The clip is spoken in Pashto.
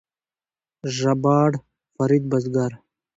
ژباړ: فرید بزګر